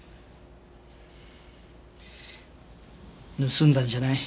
盗んだんじゃない。